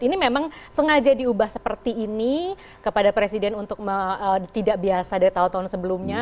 ini memang sengaja diubah seperti ini kepada presiden untuk tidak biasa dari tahun tahun sebelumnya